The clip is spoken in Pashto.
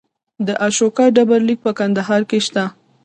د اشوکا ډبرلیک په کندهار کې شته